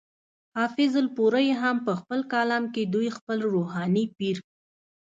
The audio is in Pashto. حافظ الپورۍ هم پۀ خپل کالم کې دوي خپل روحاني پير